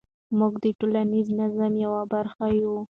موږ د ټولنیز نظام یوه برخه یو.